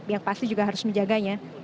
yang pasti juga harus menjaganya